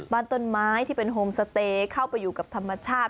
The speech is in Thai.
บ้านต้นไม้ที่เป็นโฮมสเตย์เข้าไปอยู่กับธรรมชาติ